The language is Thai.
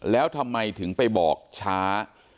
แล้วทำไมถึงไปบอกช้า